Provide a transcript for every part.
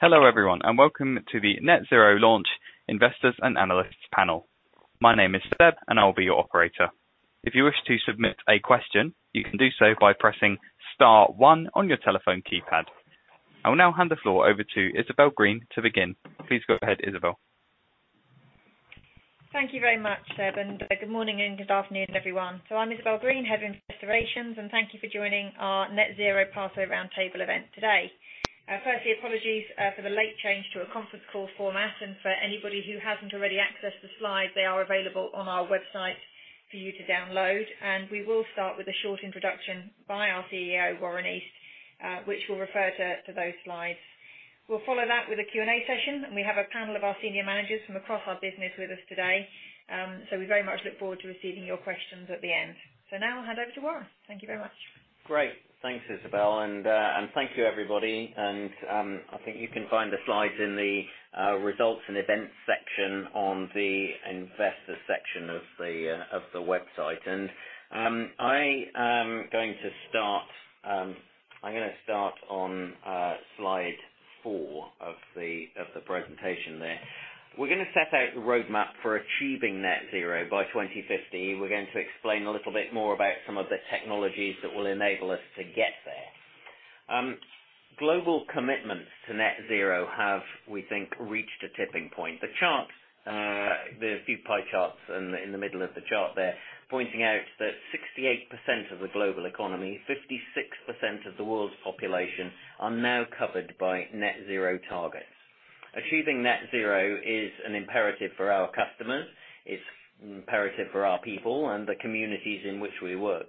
Hello everyone, welcome to the Net Zero Launch Investors and Analysts Panel. My name is Seb, and I'll be your operator. If you wish to submit a question, you can do so by pressing star one on your telephone keypad. I will now hand the floor over to Isabel Green to begin. Please go ahead, Isabel. Thank you very much, Seb. Good morning and good afternoon, everyone. I'm Isabel Green, Head of Investor Relations, and thank you for joining our Net Zero Pathway Roundtable event today. Firstly, apologies for the late change to a conference call format, and for anybody who hasn't already accessed the slides, they are available on our website for you to download. We will start with a short introduction by our CEO, Warren East, which will refer to those slides. We'll follow that with a Q&A session, and we have a panel of our senior managers from across our business with us today. We very much look forward to receiving your questions at the end. Now I'll hand over to Warren. Thank you very much. Great. Thanks, Isabel, and thank you, everybody. I think you can find the slides in the Results and Events section on the Investor section of the website. I am going to start on slide four of the presentation there. We're going to set out the roadmap for achieving net zero by 2050. We're going to explain a little bit more about some of the technologies that will enable us to get there. Global commitments to net zero have, we think, reached a tipping point. The chart, there's a few pie charts in the middle of the chart there, pointing out that 68% of the global economy, 56% of the world's population, are now covered by net zero targets. Achieving net zero is an imperative for our customers. It's imperative for our people and the communities in which we work.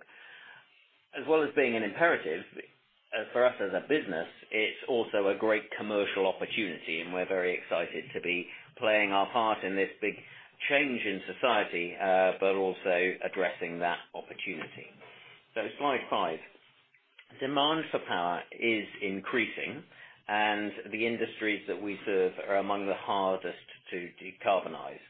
As well as being an imperative for us as a business, it's also a great commercial opportunity, and we're very excited to be playing our part in this big change in society, but also addressing that opportunity. Slide five. Demand for power is increasing, and the industries that we serve are among the hardest to decarbonize.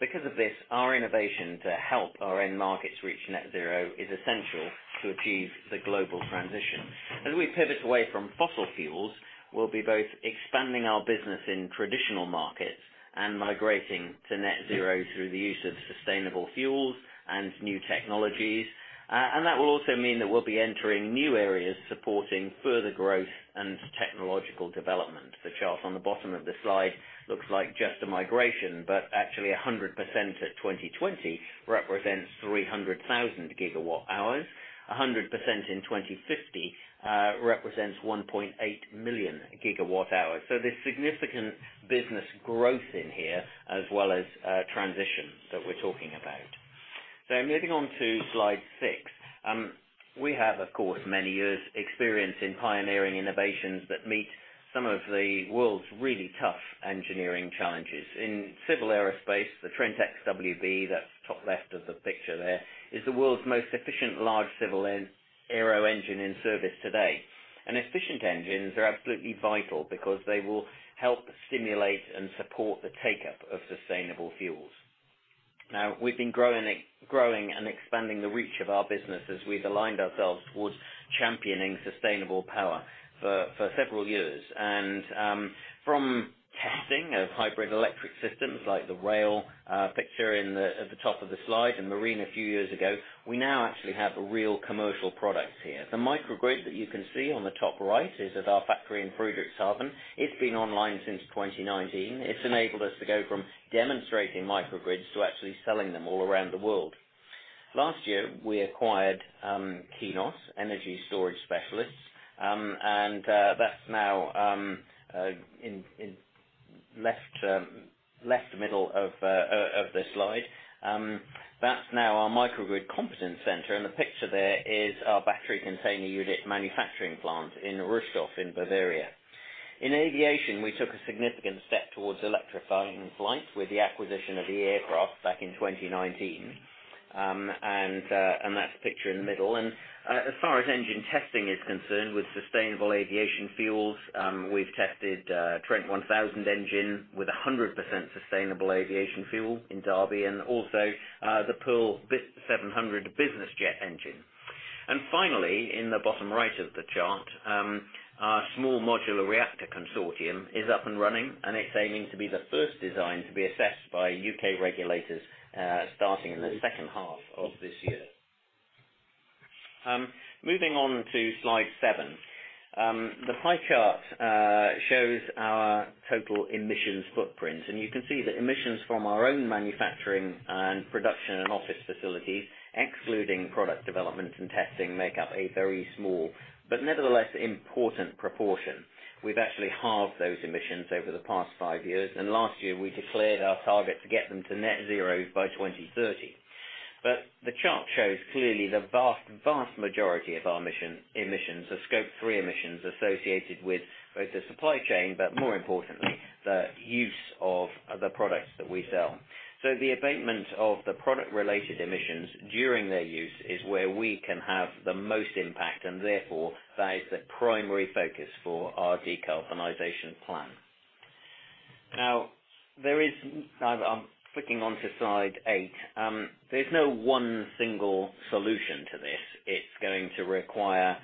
Because of this, our innovation to help our end markets reach net zero is essential to achieve the global transition. As we pivot away from fossil fuels, we'll be both expanding our business in traditional markets and migrating to net zero through the use of sustainable fuels and new technologies. That will also mean that we'll be entering new areas supporting further growth and technological development. The chart on the bottom of the slide looks like just a migration, but actually 100% at 2020 represents 300,000 GWh. 100% in 2050 represents 1.8 million GWh. There's significant business growth in here as well as transition that we're talking about. Moving on to slide six. We have, of course, many years' experience in pioneering innovations that meet some of the world's really tough engineering challenges. In Civil Aerospace, the Trent XWB, that's top left of the picture there, is the world's most efficient large civil aero-engine in service today. Efficient engines are absolutely vital because they will help stimulate and support the take-up of sustainable fuels. Now, we've been growing and expanding the reach of our business as we've aligned ourselves towards championing sustainable power for several years. From testing of hybrid electric systems like the rail picture at the top of the slide and marine a few years ago, we now actually have a real commercial product here. The microgrid that you can see on the top right is at our factory in Friedrichshafen. It has been online since 2019. It has enabled us to go from demonstrating microgrids to actually selling them all around the world. Last year, we acquired Kinolt, energy storage specialists. That is now in left middle of the slide. That is now our microgrid competence center, and the picture there is our battery container unit manufacturing plant in Ruhstorf in Bavaria. In aviation, we took a significant step towards electrifying flight with the acquisition of eAircraft back in 2019, and that is the picture in the middle. As far as engine testing is concerned with sustainable aviation fuels, we have tested Trent 1000 engine with 100% sustainable aviation fuel in Derby and also the Pearl 700 business jet engine. Finally, in the bottom right of the chart, our Small Modular Reactor consortium is up and running, and it's aiming to be the first design to be assessed by U.K. regulators starting in the second half of this year. Moving on to slide seven. The pie chart shows our total emissions footprint. You can see that emissions from our own manufacturing and production and office facilities, excluding product development and testing, make up a very small but nevertheless important proportion. We've actually halved those emissions over the past five years. Last year we declared our target to get them to net zero by 2030. The chart shows clearly the vast majority of our emissions are Scope 3 emissions associated with both the supply chain, but more importantly, the use of the products that we sell. The abatement of the product-related emissions during their use is where we can have the most impact, and therefore, that is the primary focus for our decarbonization plan. I'm clicking onto slide eight. There's no one single solution to this. It's going to require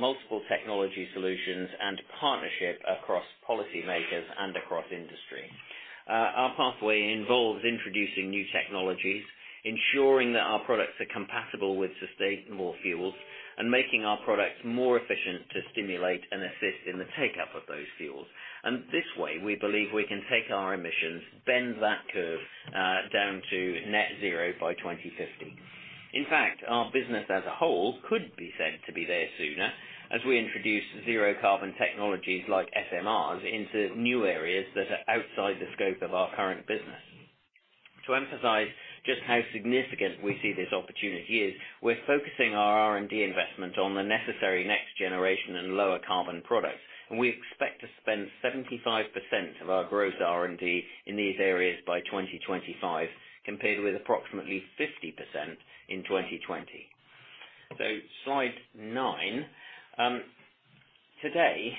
multiple technology solutions and partnership across policymakers and across industry. Our pathway involves introducing new technologies, ensuring that our products are compatible with sustainable fuels, and making our products more efficient to stimulate and assist in the take-up of those fuels. This way, we believe we can take our emissions, bend that curve down to net zero by 2050. In fact, our business as a whole could be said to be there sooner, as we introduce zero-carbon technologies like SMRs into new areas that are outside the scope of our current business. To emphasize just how significant we see this opportunity is, we're focusing our R&D investment on the necessary next generation and lower carbon products, and we expect to spend 75% of our gross R&D in these areas by 2025, compared with approximately 50% in 2020. Slide nine. Today,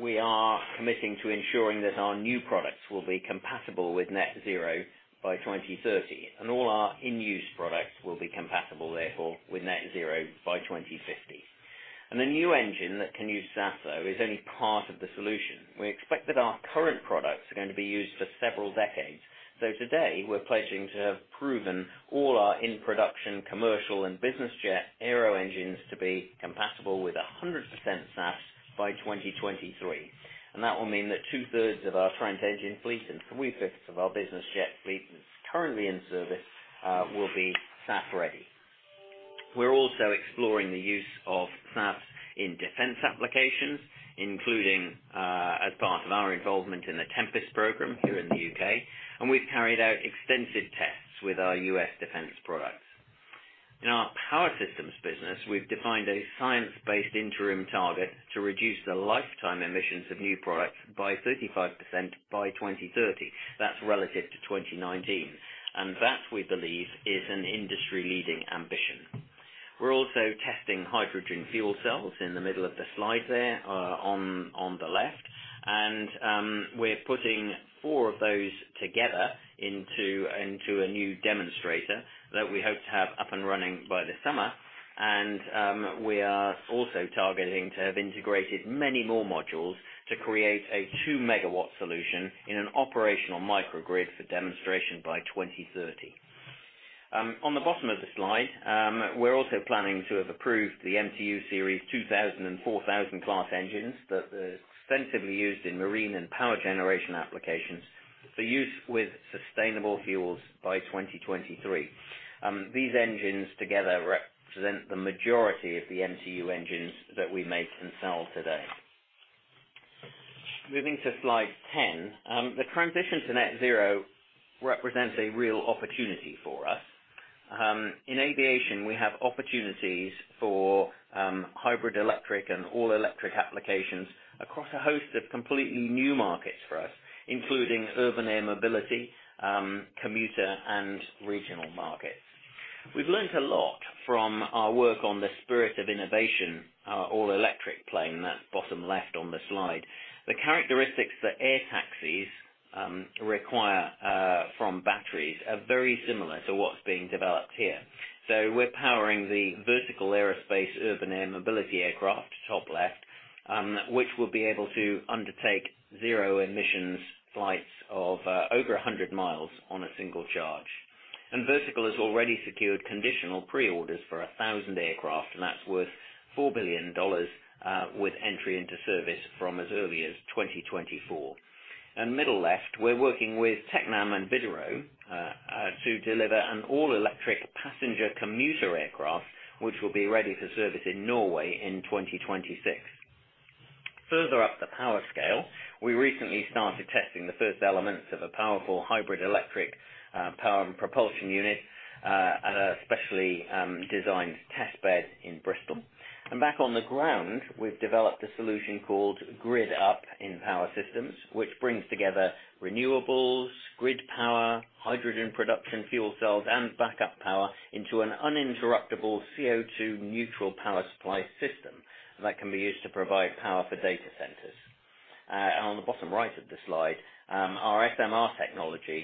we are committing to ensuring that our new products will be compatible with net zero by 2030. All our in-use products will be compatible, therefore, with net zero by 2050. The new engine that can use SAF, though, is only part of the solution. We expect that our current products are going to be used for several decades. Today, we're pledging to have proven all our in-production, commercial, and business jet aero engines to be compatible with 100% SAF by 2023. That will mean that two-thirds of our Trent engine fleet and three-fifths of our business jet fleet that's currently in service will be SAF ready. We're also exploring the use of SAF in Defence applications, including, as part of our involvement in the Tempest program here in the U.K., and we've carried out extensive tests with our U.S. Defence products. In our Power Systems business, we've defined a science-based interim target to reduce the lifetime emissions of new products by 35% by 2030. That's relative to 2019. That, we believe, is an industry-leading ambition. We're also testing hydrogen fuel cells in the middle of the slide there, on the left. We're putting four of those together into a new demonstrator that we hope to have up and running by this summer. We are also targeting to have integrated many more modules to create a 2 MW solution in an operational microgrid for demonstration by 2030. On the bottom of the slide, we're also planning to have approved the MTU Series 2000 and 4000 class engines that are extensively used in marine and power generation applications for use with sustainable fuels by 2023. These engines together represent the majority of the MTU engines that we make and sell today. Moving to slide 10. The transition to net zero represents a real opportunity for us. In aviation, we have opportunities for hybrid electric, and all-electric applications across a host of completely new markets for us, including urban air mobility, commuter, and regional markets. We've learned a lot from our work on the Spirit of Innovation all-electric plane. That's bottom left on the slide. The characteristics that air taxis require from batteries are very similar to what's being developed here. We're powering the Vertical Aerospace urban air mobility aircraft, top left, which will be able to undertake zero emissions flights of over 100 mi on a single charge. Vertical has already secured conditional preorders for 1,000 aircraft, and that's worth $4 billion with entry into service from as early as 2024. Middle left, we're working with Tecnam and Widerøe to deliver an all-electric passenger commuter aircraft, which will be ready for service in Norway in 2026. Further up the power scale, we recently started testing the first elements of a powerful hybrid electric power and propulsion unit at a specially designed test bed in Bristol. Back on the ground, we've developed a solution called Grid Up in Power Systems, which brings together renewables, grid power, hydrogen production fuel cells, and backup power into an uninterruptible CO₂ neutral power supply system that can be used to provide power for data centers. On the bottom right of the slide, our SMR technology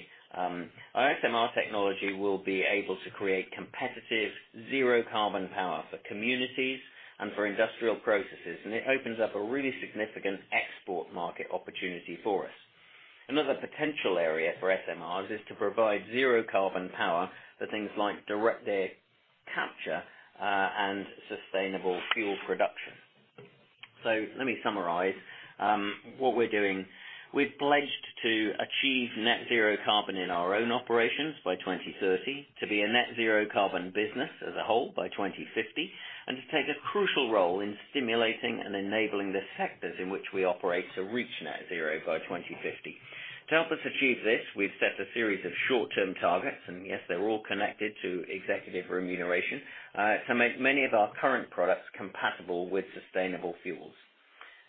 will be able to create competitive zero-carbon power for communities and for industrial processes, and it opens up a really significant export market opportunity for us. Another potential area for SMRs is to provide zero-carbon power for things like direct air capture and sustainable fuel production. Let me summarize what we're doing. We've pledged to achieve net zero carbon in our own operations by 2030, to be a net zero carbon business as a whole by 2050, and to take a crucial role in stimulating and enabling the sectors in which we operate to reach net zero by 2050. To help us achieve this, we've set a series of short-term targets. Yes, they're all connected to executive remuneration, to make many of our current products compatible with sustainable fuels.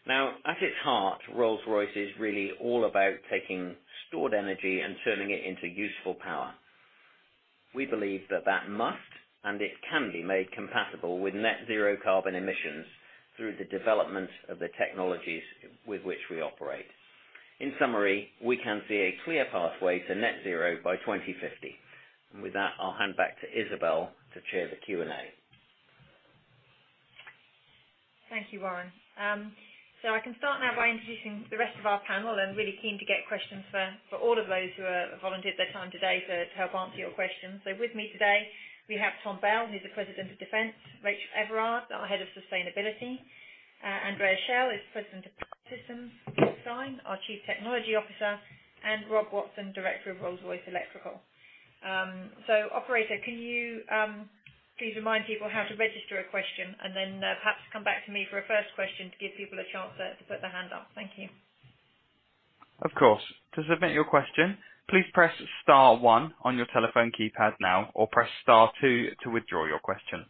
At its heart, Rolls-Royce is really all about taking stored energy and turning it into useful power. We believe that that must, and it can be made compatible with net zero carbon emissions through the development of the technologies with which we operate. In summary, we can see a clear pathway to net zero by 2050. With that, I'll hand back to Isabel to chair the Q&A. Thank you, Warren. I can start now by introducing the rest of our panel. I'm really keen to get questions for all of those who have volunteered their time today to help answer your questions. With me today, we have Tom Bell, who's the President of Defence, Rachael Everard, our Head of Sustainability, Andreas Schell is President of Power Systems, Paul Stein, our Chief Technology Officer, and Rob Watson, Director of Rolls-Royce Electrical. Operator, can you please remind people how to register a question, and then perhaps come back to me for a first question to give people a chance to put their hand up. Thank you. Of course. To submit your question, please press star one on your telephone keypad now, or press star two to withdraw your question.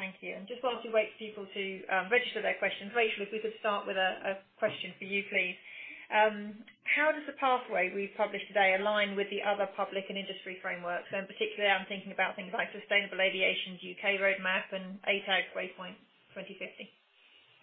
Thank you. Just while we wait for people to register their questions, Rachael, if we could start with a question for you, please. How does the pathway we've published today align with the other public and industry frameworks? Particularly, I'm thinking about things like Sustainable Aviation's U.K. Roadmap and ATAG Waypoint 2050.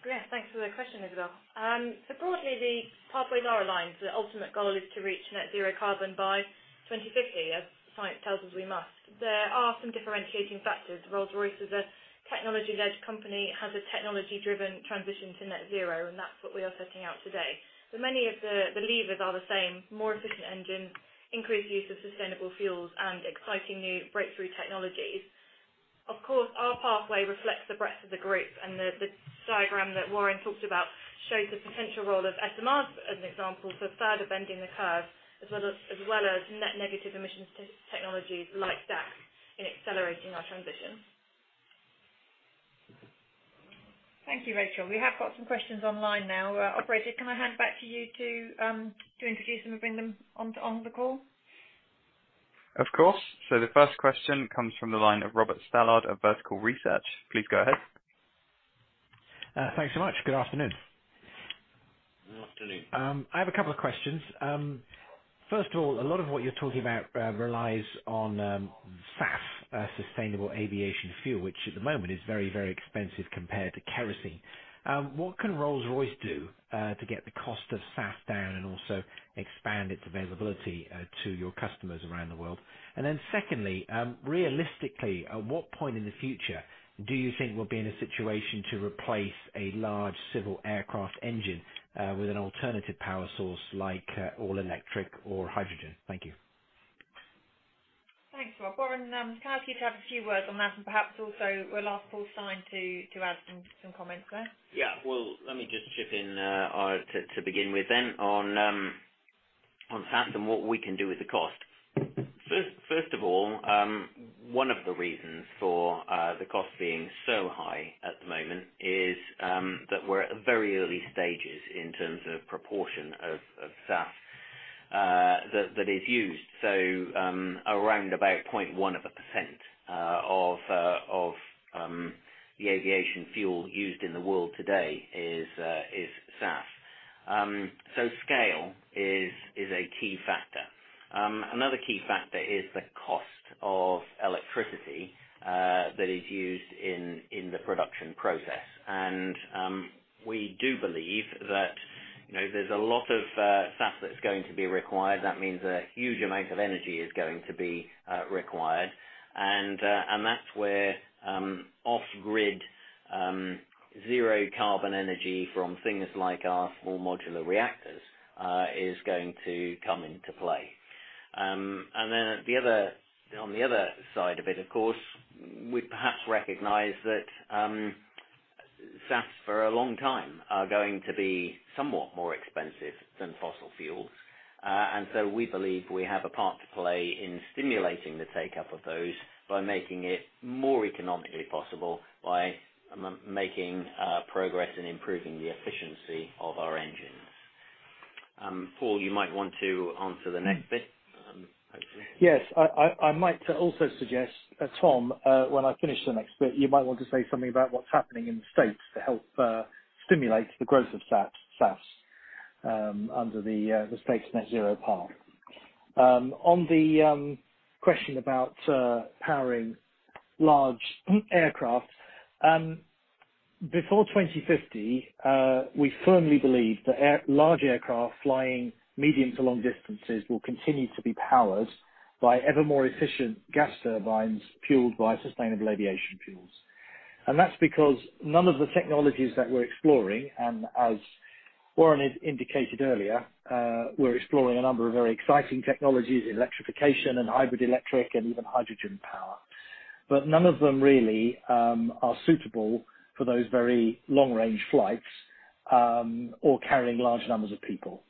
Great. Thanks for the question, Isabel. Broadly, the pathways are aligned. The ultimate goal is to reach net zero carbon by 2050, as science tells us we must. There are some differentiating factors. Rolls-Royce is a technology-led company, has a technology-driven transition to net zero, and that's what we are setting out today. Many of the levers are the same, more efficient engines, increased use of sustainable fuels, and exciting new breakthrough technologies. Of course, our pathway reflects the breadth of the group, the diagram that Warren talked about shows the potential role of SMRs as an example for further bending the curve, as well as net negative emissions technologies like DACs in accelerating our transition. Thank you, Rachael. We have got some questions online now. Operator, can I hand back to you to introduce them and bring them onto the call? Of course. The first question comes from the line of Robert Stallard of Vertical Research. Please go ahead. Thanks so much. Good afternoon. Good afternoon. I have a couple of questions. First of all, a lot of what you're talking about relies on SAF, sustainable aviation fuel, which at the moment is very, very expensive compared to kerosene. What can Rolls-Royce do to get the cost of SAF down and also expand its availability to your customers around the world? Secondly, realistically, at what point in the future do you think we'll be in a situation to replace a large civil aircraft engine with an alternative power source like all electric or hydrogen? Thank you. Thanks, Rob. Warren, can I ask you to have a few words on that, and perhaps also we'll ask Paul Stein to add some comments. Go ahead. Yeah. Well, let me just chip in to begin with on SAF and what we can do with the cost. First of all, one of the reasons for the cost being so high at the moment is that we're at very early stages in terms of proportion of SAF that is used. Around about 0.1% of the aviation fuel used in the world today is SAF. Scale is a key factor. Another key factor is the cost of electricity that is used in the production process. We do believe that there's a lot of SAF that's going to be required. That means a huge amount of energy is going to be required, and that's where off-grid zero carbon energy from things like our Small Modular Reactors is going to come into play. On the other side of it, of course, we perhaps recognize that SAFs for a long time are going to be somewhat more expensive than fossil fuels. We believe we have a part to play in stimulating the take-up of those by making it more economically possible by making progress in improving the efficiency of our engines. Paul, you might want to answer the next bit. Yes. I might also suggest, Tom, when I finish the next bit, you might want to say something about what's happening in the U.S. to help stimulate the growth of SAF under the U.S.'s net zero path. On the question about powering large aircraft. Before 2050, we firmly believe that large aircraft flying medium to long distances will continue to be powered by ever more efficient gas turbines fueled by sustainable aviation fuels. That's because none of the technologies that we're exploring, and as Warren indicated earlier, we're exploring a number of very exciting technologies, electrification and hybrid electric, and even hydrogen power. None of them really are suitable for those very long-range flights, or carrying large numbers of people.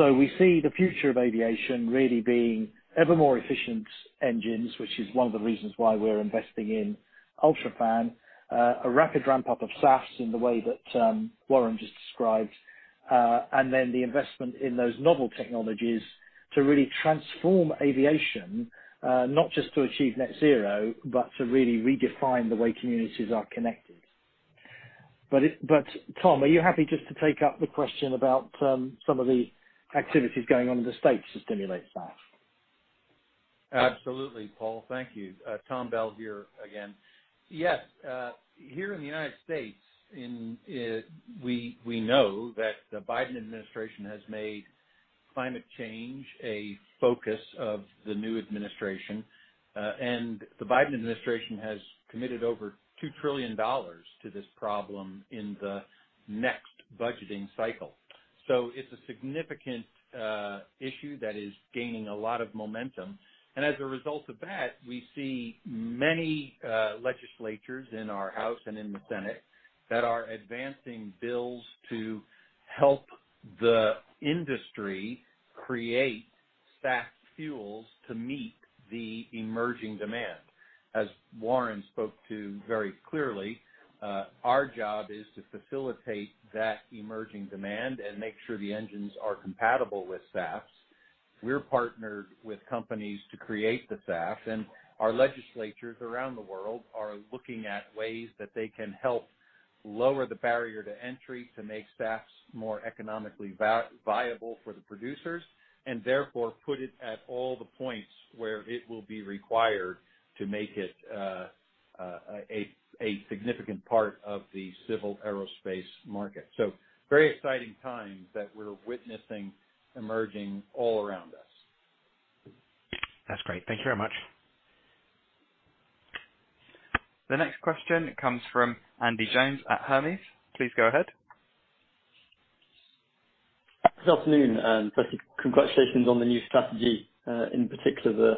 We see the future of aviation really being ever more efficient engines, which is one of the reasons why we're investing in UltraFan, a rapid ramp-up of SAFs in the way that Warren just described, and then the investment in those novel technologies to really transform aviation, not just to achieve net zero, but to really redefine the way communities are connected. Tom, are you happy just to take up the question about some of the activities going on in the U.S. to stimulate SAF? Absolutely, Paul. Thank you. Tom Bell here again. Yes. Here in the United States, we know that the Biden administration has made climate change a focus of the new administration. The Biden administration has committed over $2 trillion to this problem in the next budgeting cycle. It's a significant issue that is gaining a lot of momentum. As a result of that, we see many legislators in our House and in the Senate that are advancing bills to help the industry create SAF fuels to meet the emerging demand. As Warren spoke to very clearly, our job is to facilitate that emerging demand and make sure the engines are compatible with SAF. We're partnered with companies to create the SAF, and our legislators around the world are looking at ways that they can help lower the barrier to entry to make SAF more economically viable for the producers, and therefore put it at all the points where it will be required to make it a significant part of the Civil Aerospace market. Very exciting times that we're witnessing emerging all around us. That's great. Thank you very much. The next question comes from Andy Jones at Hermes. Please go ahead. Good afternoon. Firstly, congratulations on the new strategy, in particular, the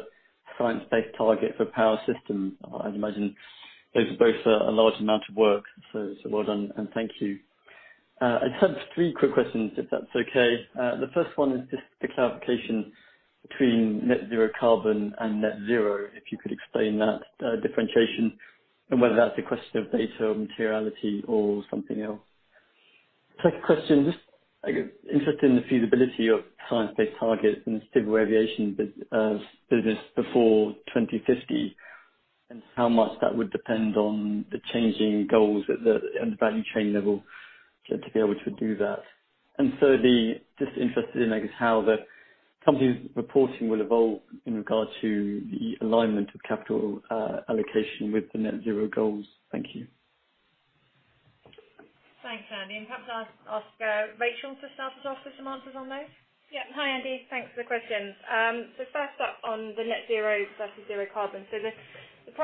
science-based target for Power Systems. I'd imagine those are both a large amount of work, so well done and thank you. I just have three quick questions, if that's okay. The first one is just the clarification between net zero carbon and net zero. If you could explain that differentiation and whether that's a question of data or materiality or something else. Second question, just interested in the feasibility of science-based targets in the civil aviation business before 2050, and how much that would depend on the changing goals at the value chain level to be able to do that. Thirdly, just interested in, I guess, how the company's reporting will evolve in regards to the alignment of capital allocation with the net zero goals. Thank you. Thanks, Andy, perhaps I'll ask Rachael to start us off with some answers on those. Yeah. Hi, Andy. Thanks for the questions. First up on the net zero versus zero carbon. We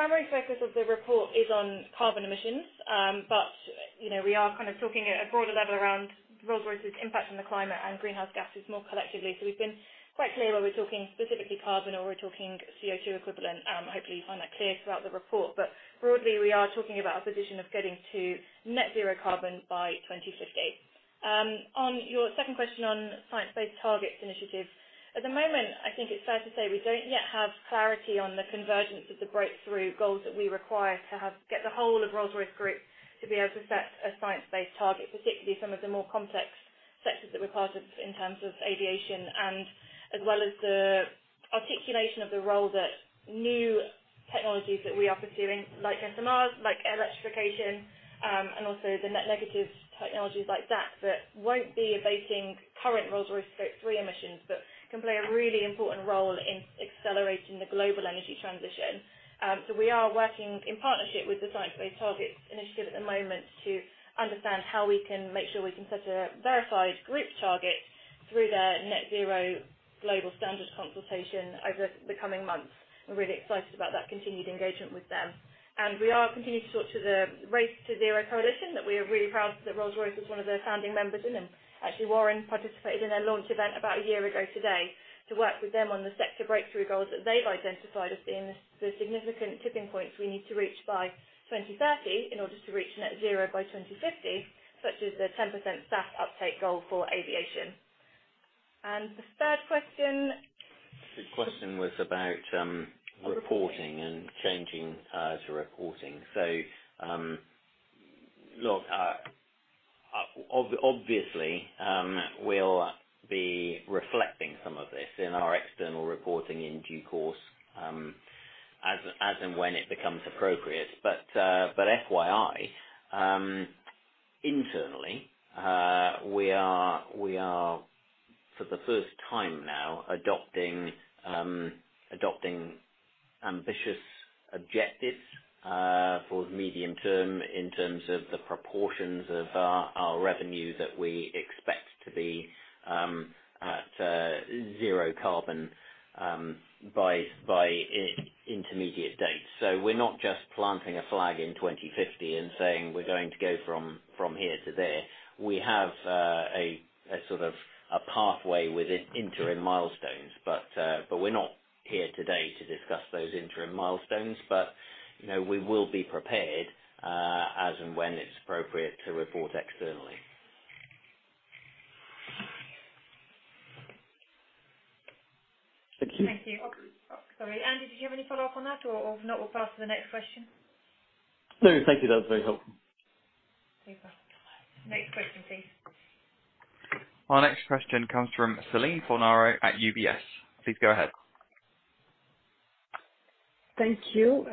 are kind of talking at a broader level around Rolls-Royce's impact on the climate and greenhouse gases more collectively. We've been quite clear when we're talking specifically carbon or we're talking CO2 equivalent. Hopefully, you find that clear throughout the report. Broadly, we are talking about a position of getting to net zero carbon by 2050. On your second question on Science Based Targets initiative. At the moment, I think it's fair to say we don't yet have clarity on the convergence of the breakthrough goals that we require to get the whole of Rolls-Royce Group to be able to set a science-based target, particularly some of the more complex sectors that we're part of in terms of aviation and as well as the articulation of the role that new technologies that we are pursuing, like SMRs, like electrification, and also the net negative technologies like that won't be abating current Rolls-Royce Scope 3 emissions, but can play a really important role in accelerating the global energy transition. We are working in partnership with the Science Based Targets initiative at the moment to understand how we can make sure we can set a verified group target through their net zero global standard consultation over the coming months. We're really excited about that continued engagement with them. We are continuing to talk to the Race to Zero coalition that we are really proud that Rolls-Royce is one of the founding members in. Actually, Warren participated in their launch event about a year ago today to work with them on the sector breakthrough goals that they've identified as being the significant tipping points we need to reach by 2030 in order to reach net zero by 2050, such as the 10% SAF uptake goal for aviation. The third question? The question was about reporting and changing to reporting. Look, obviously, we'll be reflecting some of this in our external reporting in due course, as and when it becomes appropriate. FYI, internally, we are for the first time now adopting ambitious objectives, for the medium term in terms of the proportions of our revenue that we expect to be at zero carbon by intermediate dates. We're not just planting a flag in 2050 and saying we're going to go from here to there. We have a sort of a pathway with interim milestones. We're not here today to discuss those interim milestones. We will be prepared, as and when it's appropriate to report externally. Thank you. Thank you. Sorry, Andy, did you have any follow-up on that? If not, we'll pass to the next question. No. Thank you. That was very helpful. No problem. Next question, please. Our next question comes from Céline Fornaro at UBS. Please go ahead. Thank you.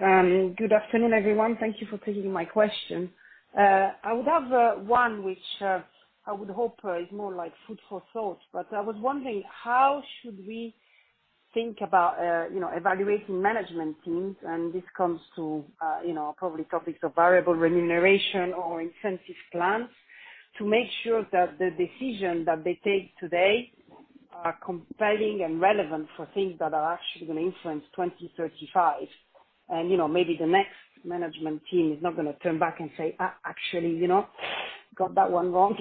Good afternoon, everyone. Thank you for taking my question. I would have one which I would hope is more like food for thought. I was wondering, how should we think about evaluating management teams, and this comes to probably topics of variable remuneration or incentive plans, to make sure that the decisions that they take today are compelling and relevant for things that are actually going to influence 2035. Maybe the next management team is not going to turn back and say, Actually, got that one wrong.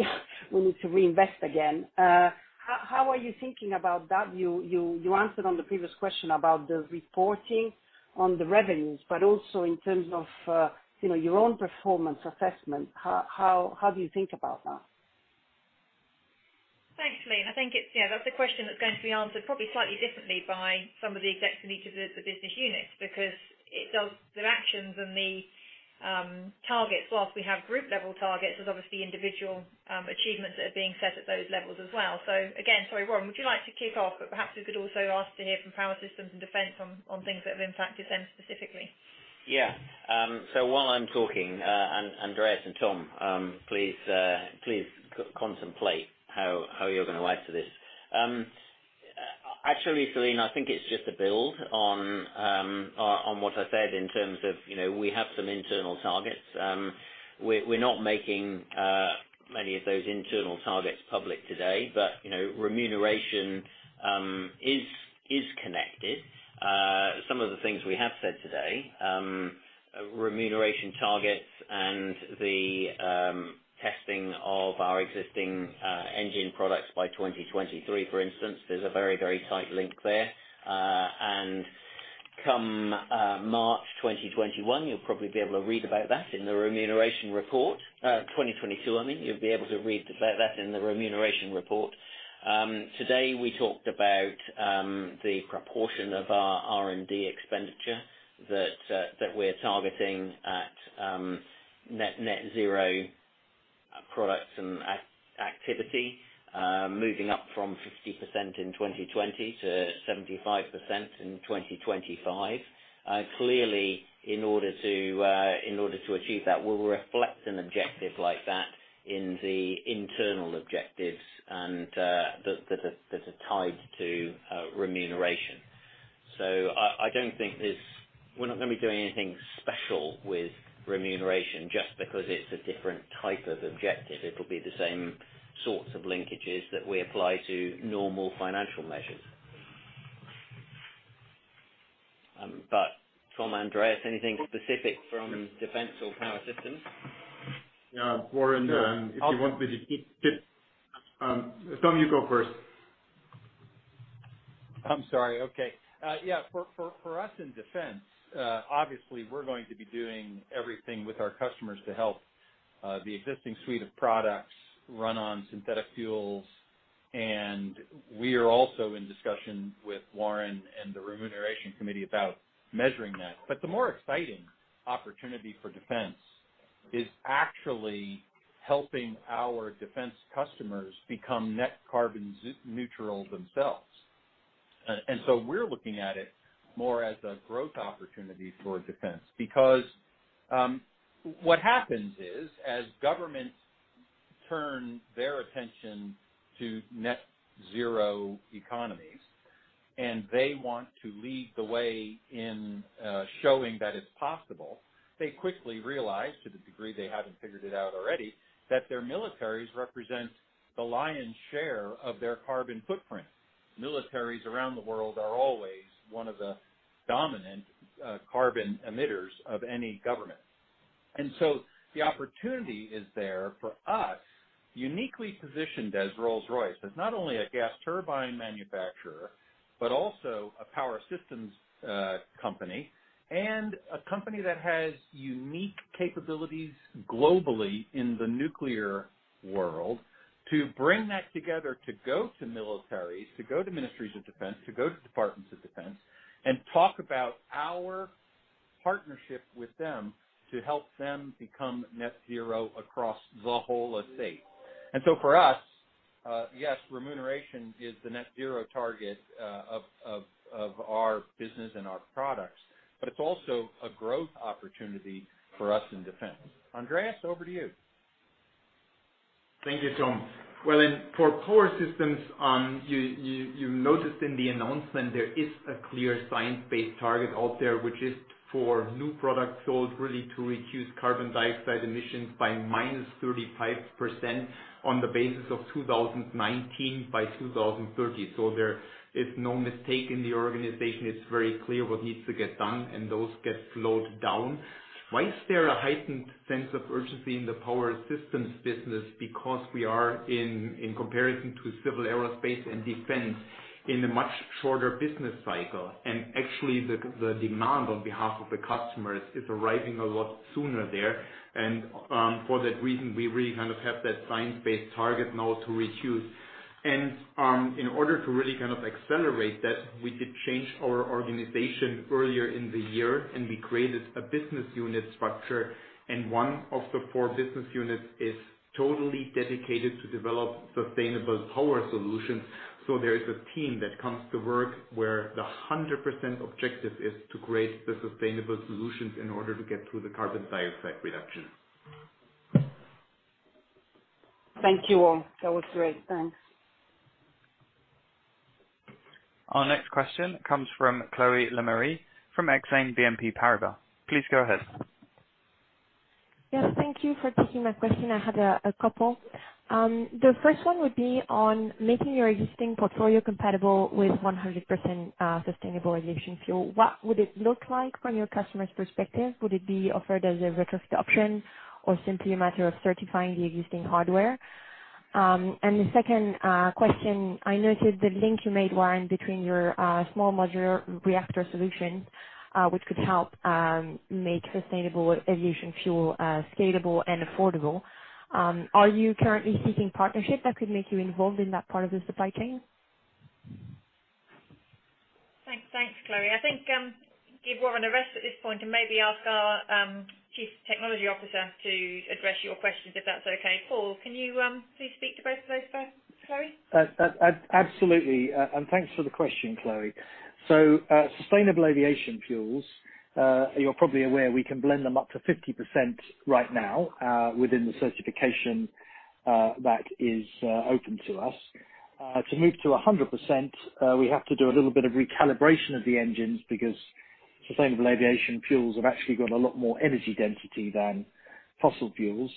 We need to reinvest again. How are you thinking about that? You answered on the previous question about the reporting on the revenues, but also in terms of your own performance assessment. How do you think about that? Thanks, Céline. I think that's a question that's going to be answered probably slightly differently by some of the execs in each of the business units, because it does their actions and the targets. Whilst we have group level targets, there's obviously individual achievements that are being set at those levels as well. Again, sorry, Warren, would you like to kick off? Perhaps we could also ask to hear from Power Systems and Defence on things that have impacted them specifically. Yeah. While I'm talking, Andreas and Tom, please contemplate how you're going to answer this. Actually, Céline, I think it's just a build on what I said in terms of we have some internal targets. We're not making many of those internal targets public today. Remuneration is connected. Some of the things we have said today, remuneration targets and the testing of our existing engine products by 2023, for instance, there's a very tight link there. Come March 2021, you'll probably be able to read about that in the remuneration report. 2022, I mean. You'll be able to read about that in the remuneration report. Today, we talked about the proportion of our R&D expenditure that we're targeting at net zero products and activity, moving up from 50% in 2020 to 75% in 2025. Clearly, in order to achieve that, we'll reflect an objective like that in the internal objectives that are tied to remuneration. I don't think we're not going to be doing anything special with remuneration just because it's a different type of objective. It will be the same sorts of linkages that we apply to normal financial measures. Tom, Andreas, anything specific from Defence or Power Systems? Yeah, Warren, if you want me to kick. Tom, you go first. I'm sorry. Okay. Yeah. For us in Defence, obviously, we're going to be doing everything with our customers to help the existing suite of products run on synthetic fuels. We are also in discussion with Warren and the remuneration committee about measuring that. The more exciting opportunity for Defence is actually helping our Defence customers become net carbon neutral themselves. We are looking at it more as a growth opportunity for Defence, because what happens is as governments turn their attention to net zero economies and they want to lead the way in showing that it's possible, they quickly realize, to the degree they haven't figured it out already, that their militaries represent the lion's share of their carbon footprint. Militaries around the world are always one of the dominant carbon emitters of any government. The opportunity is there for us, uniquely positioned as Rolls-Royce, as not only a gas turbine manufacturer, but also a Power Systems company, and a company that has unique capabilities globally in the nuclear world to bring that together to go to militaries, to go to ministries of defense, to go to departments of defense and talk about our partnership with them to help them become net zero across the whole estate. For us, yes, remuneration is the net zero target of our business and our products, but it's also a growth opportunity for us in Defence. Andreas, over to you. Thank you, Tom. Well, for Power Systems, you noticed in the announcement there is a clear Science Based Target out there, which is for new products sold really to reduce carbon dioxide emissions by -35% on the basis of 2019 by 2030. There is no mistake in the organization. It's very clear what needs to get done, and those get slowed down. Why is there a heightened sense of urgency in the Power Systems business? We are in comparison to Civil Aerospace and Defence in a much shorter business cycle. Actually, the demand on behalf of the customers is arising a lot sooner there. For that reason, we really kind of have that Science Based Target now to reduce. In order to really accelerate that, we did change our organization earlier in the year, and we created a business unit structure, and one of the four business units is totally dedicated to develop sustainable power solutions. There is a team that comes to work where the 100% objective is to create the sustainable solutions in order to get to the carbon dioxide reduction. Thank you all. That was great. Thanks. Our next question comes from Chloé Lemaire from Exane BNP Paribas. Please go ahead. Yes, thank you for taking my question. I had a couple. The first one would be on making your existing portfolio compatible with 100% sustainable aviation fuel. What would it look like from your customer's perspective? Would it be offered as a retrofit option or simply a matter of certifying the existing hardware? The second question, I noticed the link you made, Warren, between your small modular reactor solution, which could help make sustainable aviation fuel scalable and affordable. Are you currently seeking partnership that could make you involved in that part of the supply chain? Thanks, Chloé. I think give Warren a rest at this point and maybe ask our Chief Technology Officer to address your questions, if that's okay. Paul, can you please speak to both of those for Chloé? Absolutely. Thanks for the question, Chloé. Sustainable aviation fuels, you're probably aware we can blend them up to 50% right now within the certification that is open to us. To move to 100%, we have to do a little bit of recalibration of the engines because sustainable aviation fuels have actually got a lot more energy density than fossil fuels.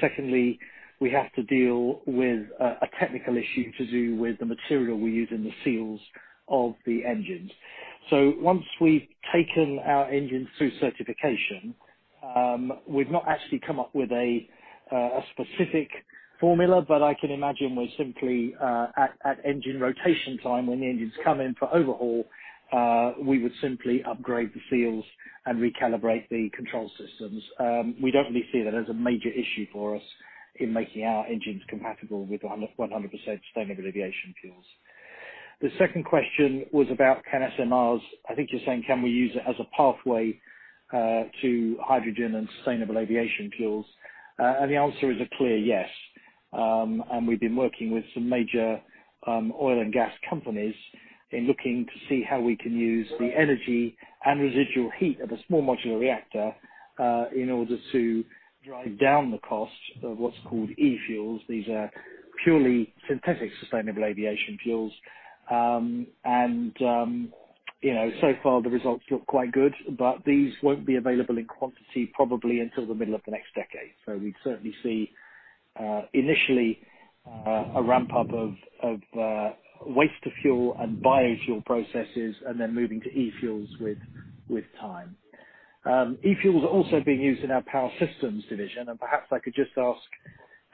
Secondly, we have to deal with a technical issue to do with the material we use in the seals of the engines. Once we've taken our engines through certification, we've not actually come up with a specific formula, but I can imagine we're simply at engine rotation time, when the engines come in for overhaul, we would simply upgrade the seals and recalibrate the control systems. We don't really see that as a major issue for us in making our engines compatible with 100% sustainable aviation fuels. The second question was about can SMRs, I think you're saying, can we use it as a pathway to hydrogen and sustainable aviation fuels? The answer is a clear yes. We've been working with some major oil and gas companies in looking to see how we can use the energy and residual heat of a small modular reactor, in order to drive down the cost of what's called e-fuels. These are purely synthetic, sustainable aviation fuels. So far, the results look quite good, but these won't be available in quantity probably until the middle of the next decade. We'd certainly see, initially, a ramp-up of waste-to-fuel and biofuel processes and then moving to e-fuels with time. E-fuels are also being used in our Power Systems division. Perhaps I could just ask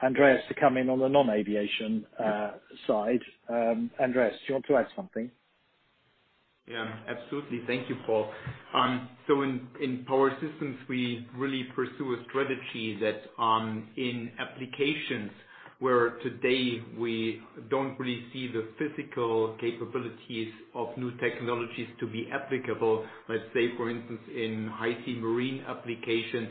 Andreas to come in on the non-aviation side. Andreas, do you want to add something? Yeah, absolutely. Thank you, Paul. In Power Systems, we really pursue a strategy that in applications where today we don't really see the physical capabilities of new technologies to be applicable, let's say, for instance, in high sea marine application,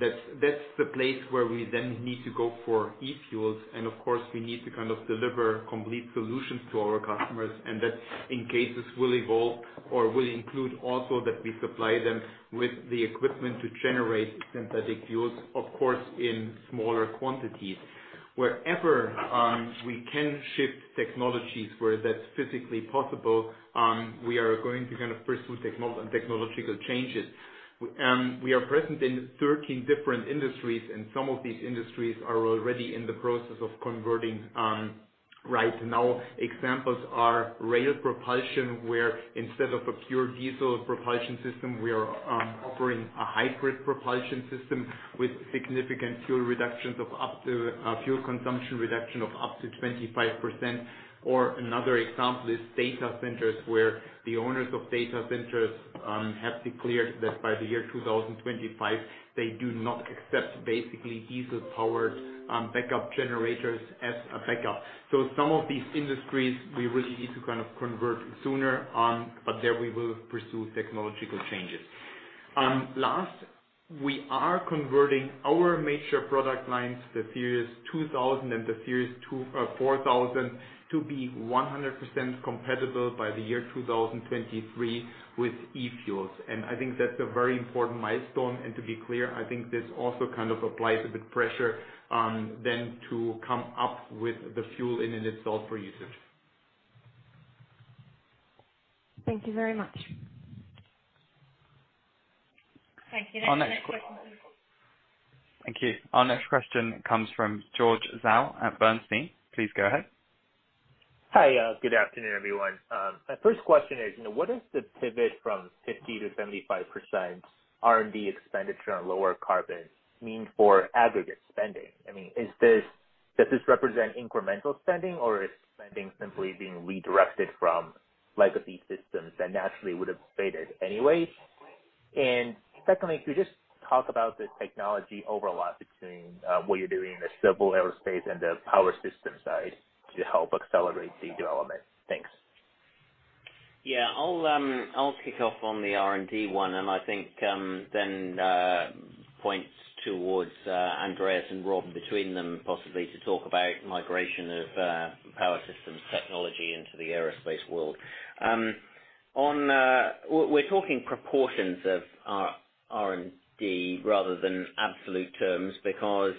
that's the place where we then need to go for e-fuels. Of course, we need to deliver complete solutions to our customers. That in cases will evolve or will include also that we supply them with the equipment to generate synthetic fuels, of course, in smaller quantities. Wherever we can shift technologies where that's physically possible, we are going to pursue technological changes. We are present in 13 different industries, and some of these industries are already in the process of converting right now. Examples are rail propulsion, where instead of a pure diesel propulsion system, we are offering a hybrid propulsion system with significant fuel consumption reduction of up to 25%. Another example is data centers, where the owners of data centers have declared that by the year 2025, they do not accept basically diesel-powered backup generators as a backup. Some of these industries, we really need to convert sooner, but there we will pursue technological changes. Last, we are converting our major product lines, the Series 2000 and the Series 4000, to be 100% compatible by the year 2023 with e-fuels. I think that's a very important milestone. To be clear, I think this also applies a bit pressure on them to come up with the fuel in and itself for usage. Thank you very much. Thank you. Next question. Thank you. Our next question comes from George Zhao at Bernstein. Please go ahead. Hi. Good afternoon, everyone. My first question is, what is the pivot from 50% to 75% R&D expenditure on lower carbon mean for aggregate spending? I mean, does this represent incremental spending, or is spending simply being redirected from legacy systems that naturally would have faded anyway? Secondly, could you just talk about the technology overlap between what you're doing in the Civil Aerospace and the Power Systems side to help accelerate the development? Thanks. Yeah. I'll kick off on the R&D one. I think then points towards Andreas and Rob between them possibly to talk about migration of Power Systems technology into the aerospace world. We're talking proportions of R&D rather than absolute terms because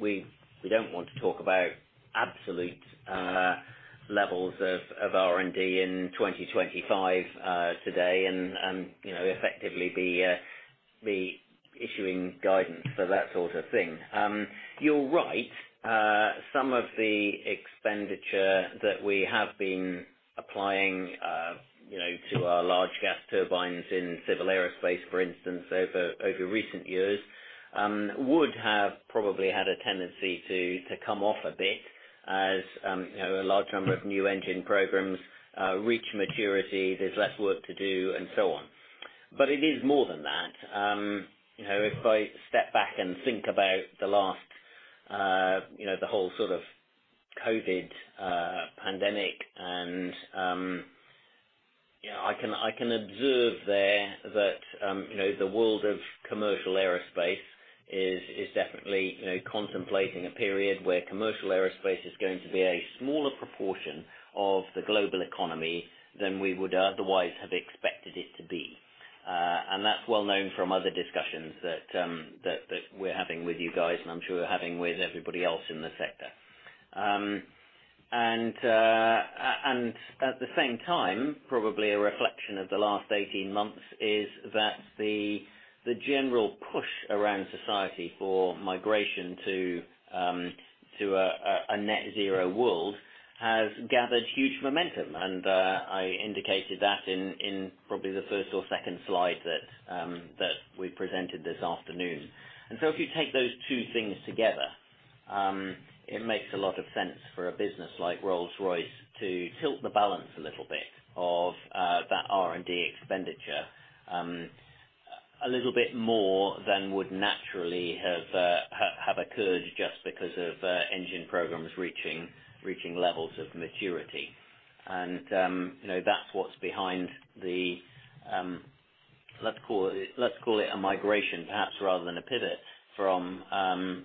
we don't want to talk about absolute levels of R&D in 2025 today and effectively be issuing guidance for that sort of thing. You're right. Some of the expenditure that we have been applying to our large gas turbines in Civil Aerospace, for instance, over recent years, would have probably had a tendency to come off a bit as a large number of new engine programs reach maturity, there's less work to do, and so on. But it is more than that. If I step back and think about the whole sort of COVID pandemic, and I can observe there that the world of commercial aerospace is definitely contemplating a period where commercial aerospace is going to be a smaller proportion of the global economy than we would otherwise have expected it to be. That's well known from other discussions that we're having with you guys, and I'm sure we're having with everybody else in the sector. At the same time, probably a reflection of the last 18 months is that the general push around society for migration to a net zero world has gathered huge momentum. I indicated that in probably the first or second slide that we presented this afternoon. If you take those two things together, it makes a lot of sense for a business like Rolls-Royce to tilt the balance a little bit of that R&D expenditure, a little bit more than would naturally have occurred just because of engine programs reaching levels of maturity. That's what's behind the, let's call it a migration, perhaps, rather than a pivot from 50%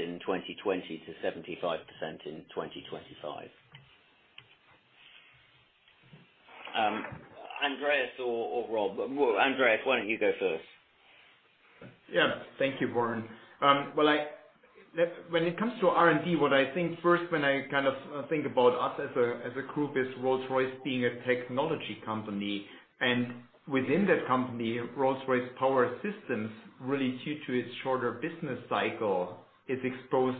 in 2020 to 75% in 2025. Andreas or Rob. Andreas, why don't you go first? Yeah. Thank you, Warren. When it comes to R&D, what I think first when I think about us as a group is Rolls-Royce being a technology company. Within the company, Rolls-Royce Power Systems, really due to its shorter business cycle, is exposed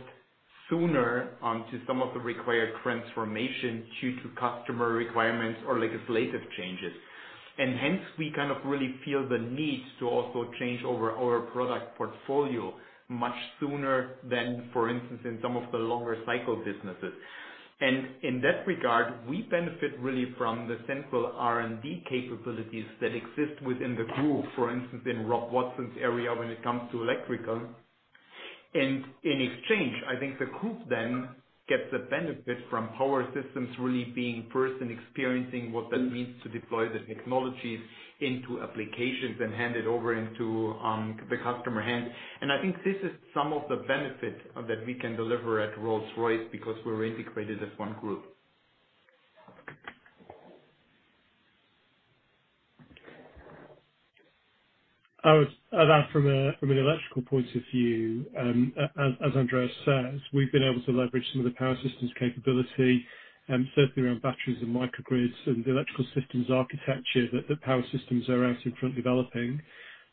sooner to some of the required transformation due to customer requirements or legislative changes. Hence, we really feel the need to also change over our product portfolio much sooner than, for instance, in some of the longer cycle businesses. In that regard, we benefit really from the central R&D capabilities that exist within the group, for instance, in Rob Watson's area when it comes to electrical. In exchange, I think the group then gets the benefit from Power Systems really being first in experiencing what that means to deploy the technologies into applications and hand it over into the customer hands. I think this is some of the benefits that we can deliver at Rolls-Royce because we're integrated as one group. From an electrical point of view, as Andreas says, we've been able to leverage some of the Power Systems capability, certainly around batteries and microgrids and the electrical systems architecture that the Power Systems are out in front developing.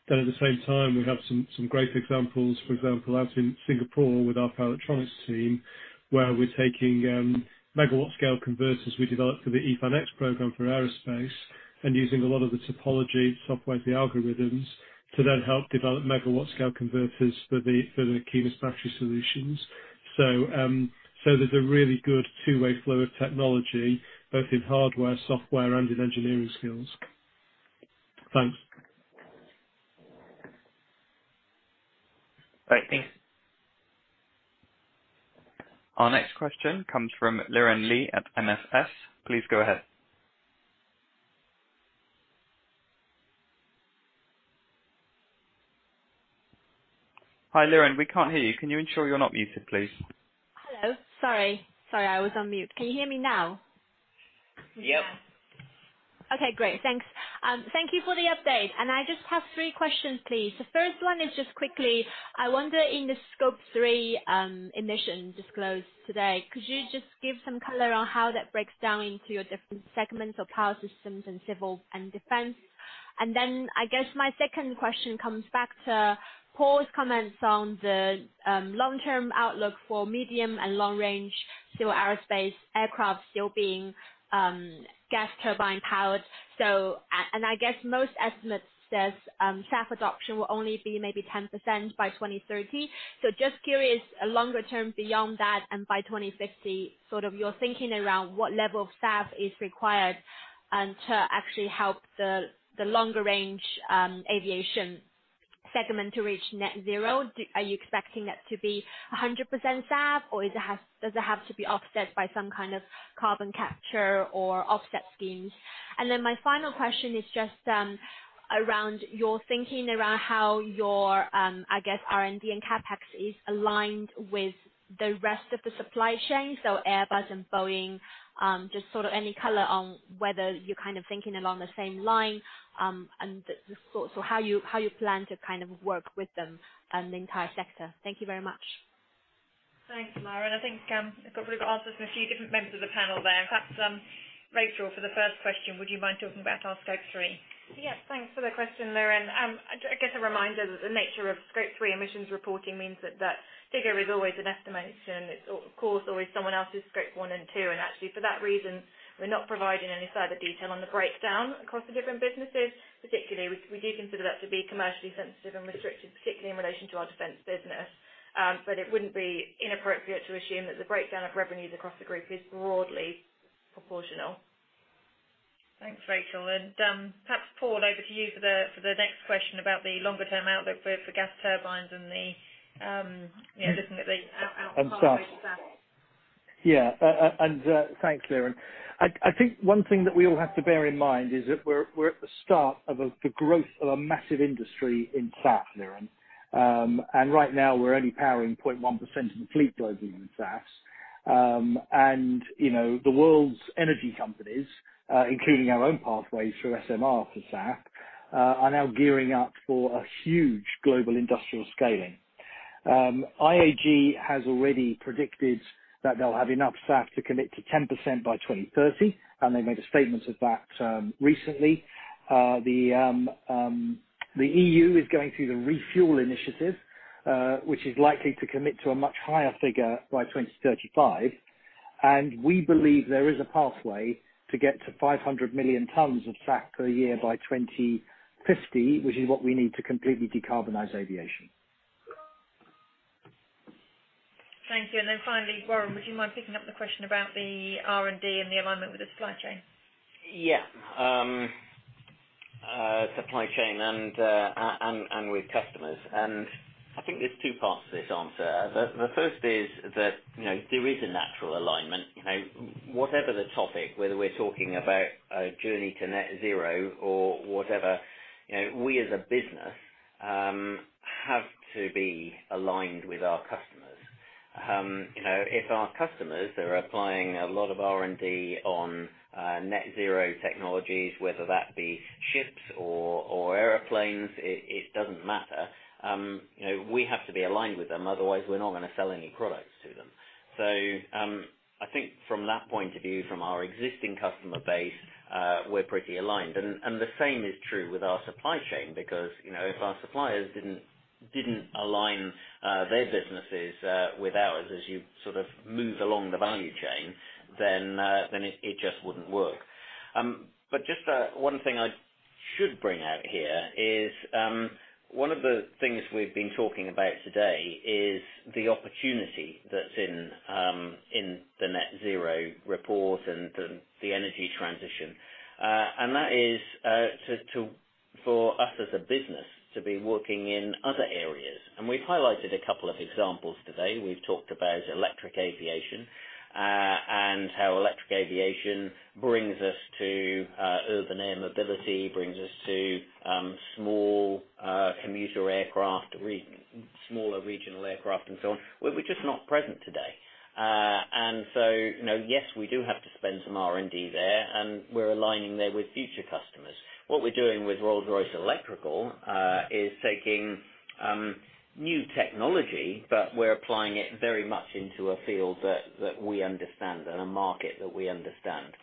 At the same time, we have some great examples, for example, out in Singapore with our power electronics team, where we're taking megawatt scale converters we developed for the E-Fan X program for aerospace and using a lot of the topology software, the algorithms to then help develop megawatt scale converters for the axial battery solutions. There's a really good two-way flow of technology, both in hardware, software, and in engineering skills. Thanks. Thank you. Our next question comes from Liren Li at MFS. Please go ahead. Hi, Liren, we can't hear you. Can you ensure you're not muted, please? Hello. Sorry, I was on mute. Can you hear me now? Yep. Okay, great. Thanks. Thank you for the update. I just have three questions, please. The first one is just quickly, I wonder in the Scope 3 emission disclosed today, could you just give some color on how that breaks down into your different segments of Power Systems and Civil Aerospace and Defence? I guess my second question comes back to Paul's comment on the long-term outlook for medium and long range, Civil aerospace aircraft still being gas turbine powered. I guess most estimates says SAF adoption will only be maybe 10% by 2030. Just curious, longer term beyond that and by 2050, your thinking around what level of SAF is required to actually help the longer range aviation segment to reach net zero. Are you expecting it to be 100% SAF, or does it have to be offset by some kind of carbon capture or offset schemes? My final question is around your thinking around how your, I guess, R&D and CapEx is aligned with the rest of the supply chain, so Airbus and Boeing. Any color on whether you're thinking along the same lines, and how you plan to work with them and the entire sector. Thank you very much. Thanks, Liren. I think the group answers a few different members of the panel there. Perhaps, Rachael, for the first question, would you mind talking about Scope 3? Yeah, thanks for the question, Liren. I guess a reminder that the nature of Scope 3 emissions reporting means that that figure is always an estimation. It's, of course, always someone else's Scope 1 and Scope 2. Actually, for that reason, we're not providing any further detail on the breakdown across the different businesses, particularly we do consider that to be commercially sensitive and restricted, particularly in relation to our Defense business. It wouldn't be inappropriate to assume that the breakdown of revenues across the group is broadly proportional. Thanks, Rachael. Perhaps Paul, over to you for the next question about the longer-term outlook both for gas turbines. SAF. Yeah, thanks, Liren. I think one thing that we all have to bear in mind is that we're at the start of the growth of a massive industry in SAF, Liren. Right now, we're only powering 0.1% of the fleet globally with SAF. The world's energy companies, including our own pathways through SMR for SAF, are now gearing up for a huge global industrial scaling. IAG has already predicted that they'll have enough SAF to commit to 10% by 2030, and they made a statement of that recently. The EU is going through the ReFuelEU aviation initiative, which is likely to commit to a much higher figure by 2035. We believe there is a pathway to get to 500 million tons of SAF per year by 2050, which is what we need to completely decarbonize aviation. Thank you. Finally, Warren, would you mind picking up the question about the R&D and the alignment with the supply chain? Yeah. Supply chain with customers. I think there's two parts to this answer. The first is that there is a natural alignment. Whatever the topic, whether we're talking about a journey to net zero or whatever, we as a business have to be aligned with our customers. If our customers are applying a lot of R&D on net zero technologies, whether that be ships or airplanes, it doesn't matter. We have to be aligned with them, otherwise we're not going to sell any products to them. I think from that point of view, from our existing customer base, we're pretty aligned. The same is true with our supply chain, because if our suppliers didn't align their businesses with ours as you move along the value chain, then it just wouldn't work. Just one thing I should bring out here is one of the things we've been talking about today is the opportunity that's in the net zero report and the energy transition. That is for us as a business to be working in other areas. We've highlighted a couple of examples today. We've talked about electric aviation and how electric aviation brings us to urban air mobility, brings us to small commuter aircraft, smaller regional aircraft, and so on, where we're just not present today. Yes, we do have to spend some R&D there, and we're aligning there with future customers. What we're doing with Rolls-Royce Electrical is taking new technology, but we're applying it very much into a field that we understand and a market that we understand.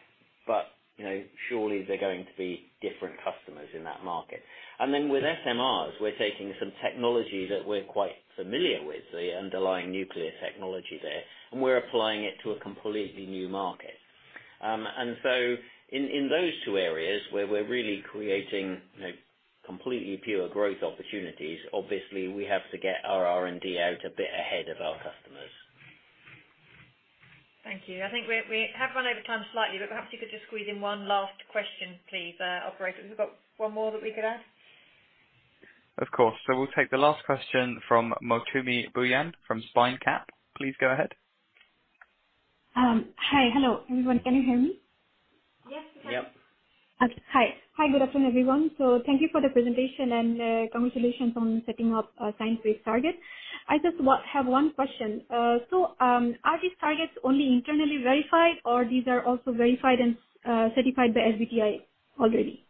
Surely there are going to be different customers in that market. With SMRs, we're taking some technology that we're quite familiar with, the underlying nuclear technology there, and we're applying it to a completely new market. In those two areas where we're really creating completely pure growth opportunities, obviously, we have to get our R&D out a bit ahead of our customers. Thank you. I think we have run over time slightly, but perhaps we could just squeeze in one last question, please. Operator, have we got one more that we could ask? Of course. We'll take the last question from Mouchumi Bhuyan from Spinecap. Please go ahead. Hi. Hello, everyone. Can you hear me? Yes. Hi. Good afternoon, everyone. Thank you for the presentation and the consultation from setting up Science Based Targets. I just have one question. Are these targets only internally verified, or these are also verified and certified by SBTi already?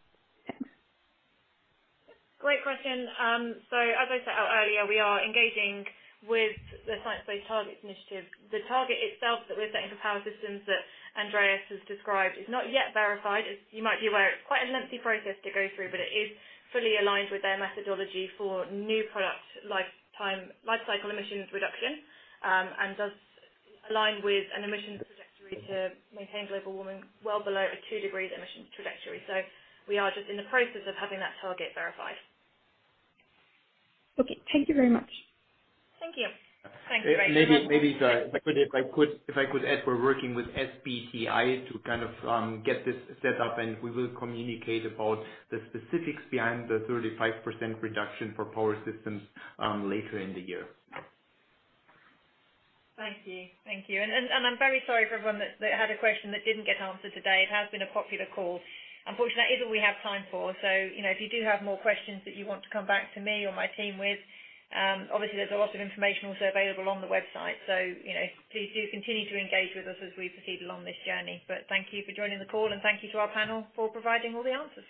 Great question. As I set out earlier, we are engaging with the Science Based Targets initiative. The target itself that we set in Power Systems that Andreas has described is not yet verified. You might be aware it's quite a lengthy process to go through, but it is fully aligned with their methodology for new product life cycle emissions reduction and does align with an emissions trajectory to maintain global warming well below a 2-degree emissions trajectory. We are just in the process of having that target verified. Okay, thank you very much. Thank you. Thanks very much. Maybe, if I could add, we're working with SBTi to kind of get this set up, and we will communicate about the specifics behind the 35% reduction for Power Systems later in the year. Thank you. I'm very sorry for everyone that had a question that didn't get answered today. It has been a popular call. Unfortunately, that is all we have time for. If you do have more questions that you want to come back to me or my team with, obviously, there's a lot of information also available on the website. Please do continue to engage with us as we proceed along this journey. Thank you for joining the call, and thank you to our panel for providing all the answers.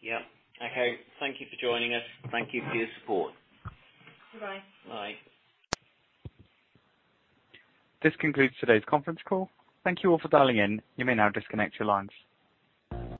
Yeah. Okay, thank you for joining us. Thank you for your support. Bye. Bye. This concludes today's conference call. Thank you all for dialing in. You may now disconnect your lines.